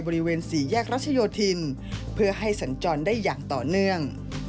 บริเวณสี่แยกรัชโยธินเพื่อให้สัญจรได้อย่างต่อเนื่อง